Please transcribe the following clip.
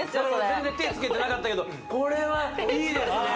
全然手つけてなかったけどこれはいいですね